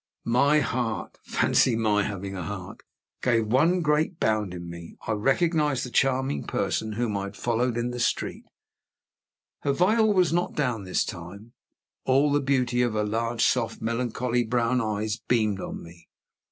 My heart fancy my having a heart! gave one great bound in me. I recognized the charming person whom I had followed in the street. Her veil was not down this time. All the beauty of her large, soft, melancholy, brown eyes beamed on me.